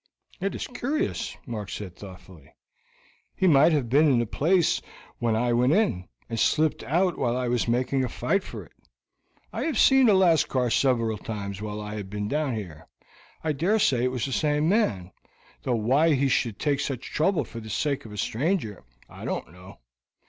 "It is curious," Mark said thoughtfully. "He might have been in the place when I went in, and slipped out while I was making a fight for it. I have seen a Lascar several times while I have been down there. I dare say it was the same man, though why he should take such trouble for the sake of a stranger I don't know.